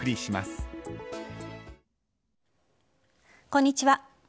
こんにちは。